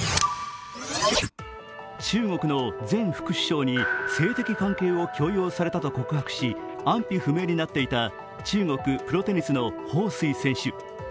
中国の前副首相に性的関係を強要されたと告白した安否不明になっていた中国プロテニスの彭帥選手。